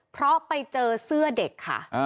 เพราะไปเจอเสื้อเด็กค่ะ